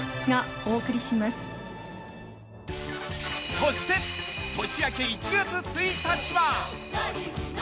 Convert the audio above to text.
［そして年明け１月１日は］